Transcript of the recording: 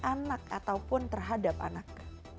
anak ataupun terhadap anak